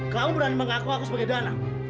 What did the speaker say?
kamu berani mengaku aku sebagai dana